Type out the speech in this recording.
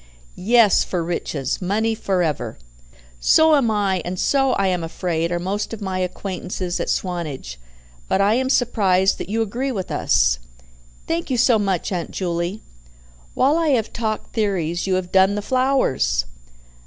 "Yes. For riches. Money for ever!" "So am I, and so, I am afraid, are most of my acquaintances at Swanage, but I am surprised that you agree with us." "Thank you so much, Aunt Juley. While I have talked theories, you have done the flowers."